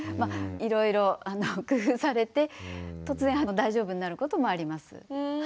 いろいろ工夫されて突然大丈夫になることもあります。